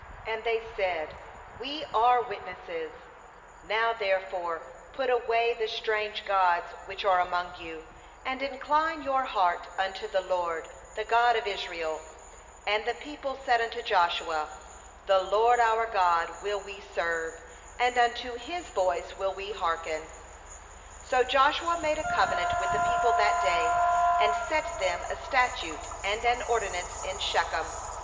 — And they said: 'We are witnesses/ — ^Now therefore put away the strange gods which are among you, and incline your heart unto the LORD, the God of Israel/ ^And the people said unto Joshua: 'The LORD our God will we serve, and unto His voice will we hearken/ 25So Joshua made a covenant with the people that day, and set them a statute and an ordinance in Shechem.